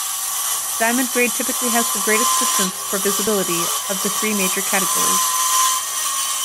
Diamond grade typically has the greatest distance for visibility of the three major categories.